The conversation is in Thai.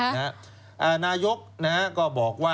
ค่ะท่านหน่วยังไงคะ